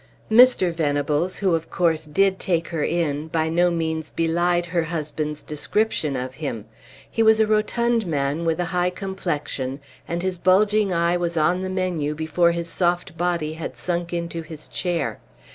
Mr. Venables, who of course did take her in, by no means belied her husband's description of him; he was a rotund man with a high complexion, and his bulging eye was on the menu before his soft body had sunk into his chair.